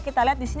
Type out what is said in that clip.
kita lihat di sini